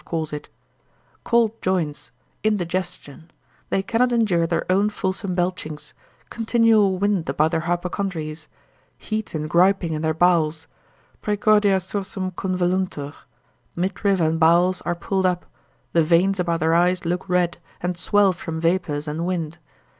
calls it; cold joints, indigestion, they cannot endure their own fulsome belchings, continual wind about their hypochondries, heat and griping in their bowels, praecordia sursum convelluntur, midriff and bowels are pulled up, the veins about their eyes look red, and swell from vapours and wind.